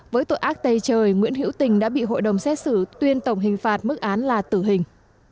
với tội ác tây trời nguyễn hữu tình đã bị hội đồng xét xử tuyên tổng hình phạt mức án là tử hình